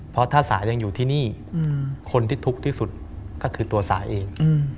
เพราะถ้าสายังอยู่ที่นี่คนที่ทุกข์ที่สุดก็คือตัวสาเอง